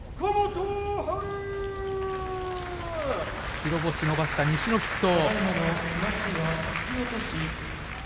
白星を伸ばした西の筆頭。